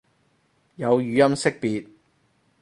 有語音識別